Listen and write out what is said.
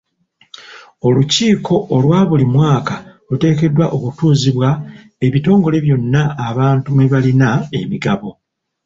Olukiiko olwa buli mwaka oluteekeddwa okutuuzibwa ebitongole byonna abantu mwe balina emigabo.